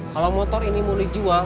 kalau motor ini mau dijual